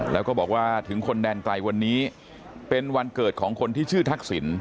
แล้วก็บอกว่าถึงคนแดนไกลวันนี้เป็นวันเกิดของคนที่ชื่อทักษิณ